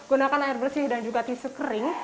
gunakan air bersih dan juga tisu kering